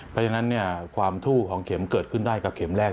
เพราะฉะนั้นความทู่ของเข็มเกิดขึ้นได้กับเข็มแรก